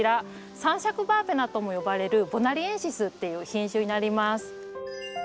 三尺バーベナとも呼ばれるボナリエンシスっていう品種になります。